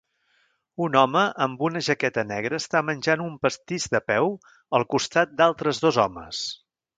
Un home amb una jaqueta negra està menjant un pastís de peu al costat d'altres dos homes.